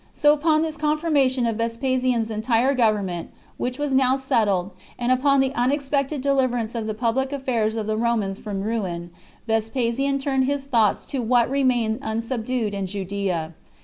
So upon this confirmation of Vespasian's entire government, which was now settled, and upon the unexpected deliverance of the public affairs of the Romans from ruin, Vespasian turned his thoughts to what remained unsubdued in Judea.